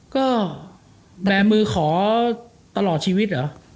ก็แบมือขอตลอดชีวิต